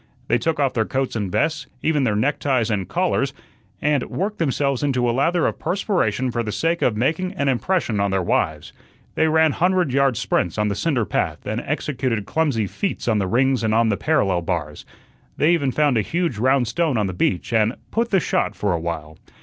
They took off their coats and vests, even their neckties and collars, and worked themselves into a lather of perspiration for the sake of making an impression on their wives. They ran hundred yard sprints on the cinder path and executed clumsy feats on the rings and on the parallel bars. They even found a huge round stone on the beach and "put the shot" for a while.